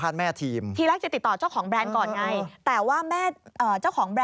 ถูกต้อง